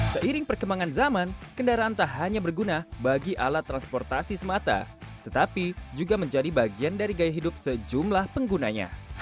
seiring perkembangan zaman kendaraan tak hanya berguna bagi alat transportasi semata tetapi juga menjadi bagian dari gaya hidup sejumlah penggunanya